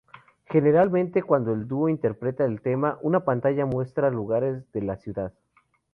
Generalmente, cuando el dúo interpreta el tema, una pantalla muestra lugares de la ciudad.